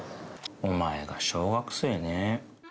お前が小学生ね。